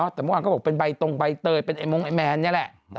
แต่เมื่อวานก็บอกเป็นใบตรงใบเตยเป็นแมนนี้แหละ